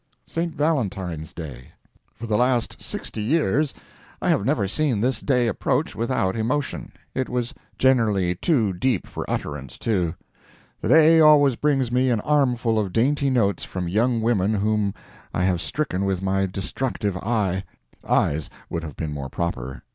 St. Valentine's Day. For the last sixty years I have never seen this day approach without emotion. It was generally too deep for utterance, too. The day always brings me an armful of dainty notes from young women whom I have stricken with my destructive eye. Eyes, would have been more proper.